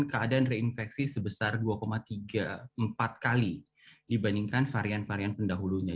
keadaan reinfeksi sebesar dua tiga puluh empat kali dibandingkan varian varian pendahulunya